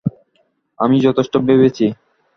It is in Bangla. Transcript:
আমি যথেষ্ট ভেবেছি।